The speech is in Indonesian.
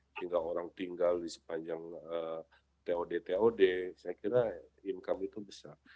sehingga orang tinggal di sepanjang tod tod saya kira income itu besar